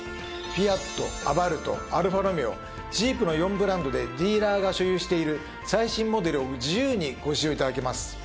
フィアットアバルトアルファロメオジープの４ブランドでディーラーが所有している最新モデルを自由にご試乗頂けます。